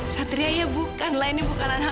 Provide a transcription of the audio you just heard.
satria ya bukanlah ini bukanlah hak aku